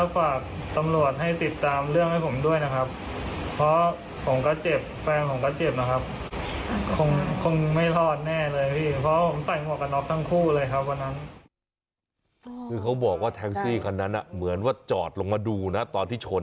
คือเขาบอกว่าแท็กซี่คันนั้นเหมือนว่าจอดลงมาดูนะตอนที่ชน